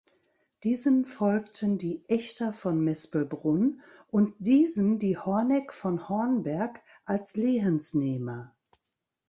Diesen folgten die Echter von Mespelbrunn und diesen die Horneck von Hornberg als Lehensnehmer.